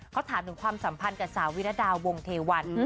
เขาถามถึงความสัมพันธ์กับสาววิรดาวงเทวัน